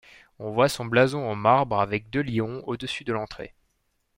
On voit son blason en marbre avec deux lions au-dessus de l’entrée.